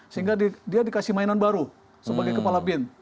sehingga dia dikasih mainan baru sebagai kepala bin